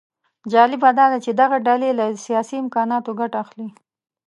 جالبه داده چې دغه ډلې له سیاسي امکاناتو ګټه اخلي